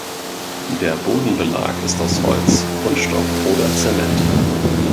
Der Bodenbelag ist aus Holz, Kunststoff oder Zement.